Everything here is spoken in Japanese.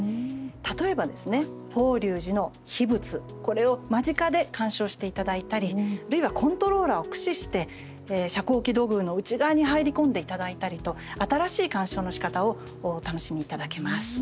例えば法隆寺の秘仏、これを間近で鑑賞していただいたりあるいはコントローラーを駆使して遮光器土偶の内側に入り込んでいただいたりと新しい鑑賞体験をお楽しみいただけます。